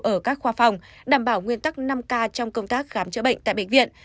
ở các khoa phòng đảm bảo nguyên tắc năm k trong công tác khám chữa bệnh tại bệnh viện